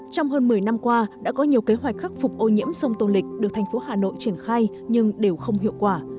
trong hơn một mươi năm qua đã có nhiều kế hoạch khắc phục ô nhiễm sông tô lịch được thành phố hà nội triển khai nhưng đều không hiệu quả